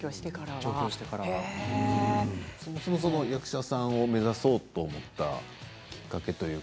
そもそも役者さんを目指そうと思ったきっかけというか。